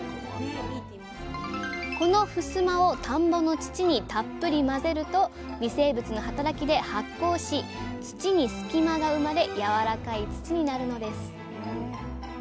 このふすまを田んぼの土にたっぷり混ぜると微生物の働きで発酵し土に隙間が生まれやわらかい土になるのです。